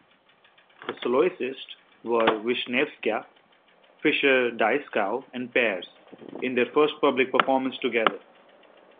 The soloists were Vishnevskaya, Fischer-Dieskau and Pears, in their first public performance together.